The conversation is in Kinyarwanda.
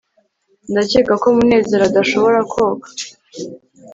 ndakeka ko munezero adashobora koga